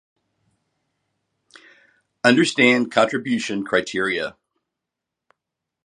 Augsburg.